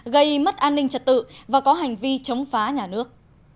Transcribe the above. gây mất an ninh trật tự và có hành vi chống phá nhà nước